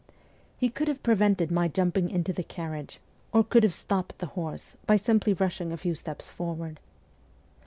He could have prevented my jumping into the carriage or could have stopped the horse by simply rushing a few steps forward.